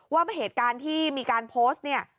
ว่าเหตุการณ์ที่มีการโพสต์เนี่ย